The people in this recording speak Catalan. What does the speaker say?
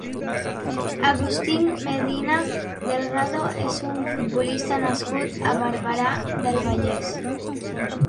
Agustín Medina Delgado és un futbolista nascut a Barberà del Vallès.